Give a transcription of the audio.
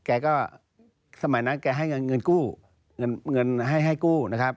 แกก็สมัยนั้นแกให้เงินกู้เงินให้ให้กู้นะครับ